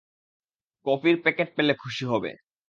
কফির প্যাকেট পেলে খুশি হবে।